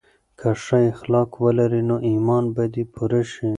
که ښه اخلاق ولرې نو ایمان به دې پوره شي.